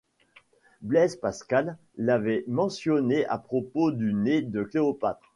Blaise Pascal l'avait mentionné à propos du nez de Cléopâtre.